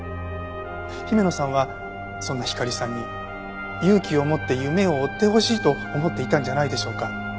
姫野さんはそんなひかりさんに勇気を持って夢を追ってほしいと思っていたんじゃないでしょうか。